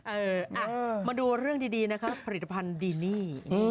เออมาดูเรื่องดีนะครับผลิตภัณฑ์ดีนี่